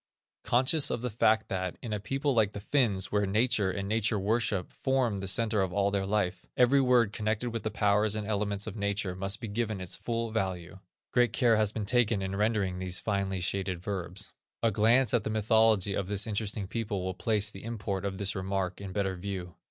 Conscious of the fact that, in a people like the Finns where nature and nature worship form the centre of all their life, every word connected with the powers and elements of nature must be given its fall value, great care has been taken in rendering these finely shaded verbs. A glance at the mythology of this interesting people will place the import of this remark in better view.